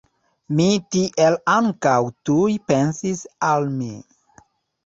Mi tiel ankaŭ tuj pensis al mi!